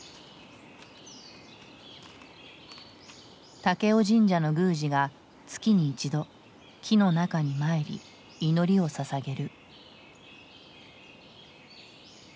武雄神社の宮司が月に一度木の中に参り祈りをささげる。